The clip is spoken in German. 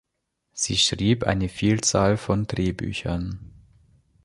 Sie schrieb eine Vielzahl von Drehbüchern.